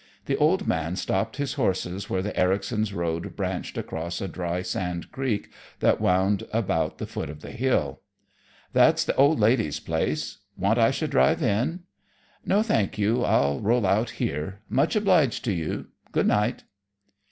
The old man stopped his horses where the Ericsons' road branched across a dry sand creek that wound about the foot of the hill. "That's the old lady's place. Want I should drive in?" "No, thank you. I'll roll out here. Much obliged to you. Good night."